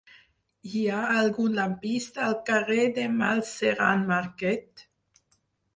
Hi ha algun lampista al carrer de Galceran Marquet?